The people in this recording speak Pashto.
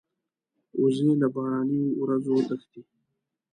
وزې له باراني ورځو تښتي